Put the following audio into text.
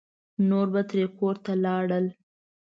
نور به ترې کور ته لاړل.